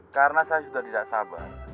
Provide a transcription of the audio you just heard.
karena saya sudah tidak sabar